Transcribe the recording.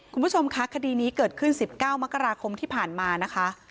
คุณผู้ชมคะคดีนี้เกิดขึ้น๑๙มกราคมที่ผ่านมานะคะ